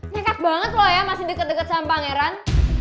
nyekat banget lo ya masih deket deket sama pangeran